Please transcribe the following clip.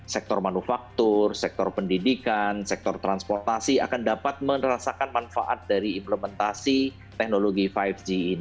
sektor manufaktur sektor pendidikan sektor transportasi akan dapat merasakan manfaat dari implementasi teknologi lima g ini